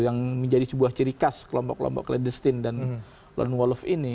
yang menjadi sebuah ciri khas kelompok kelompok cladestine dan lone wolf ini